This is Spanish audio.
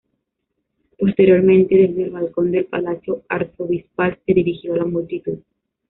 Posteriormente, desde el balcón del palacio arzobispal, se dirigió a la multitud.